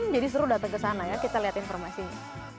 jadi seru datang ke sana ya kita lihat informasinya